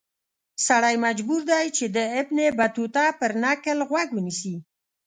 سړی مجبور دی چې د ابن بطوطه پر نکل غوږ ونیسي.